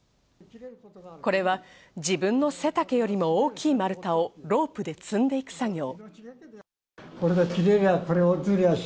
これは自分の背丈よりも大きい丸太をロープで積んでいく作業。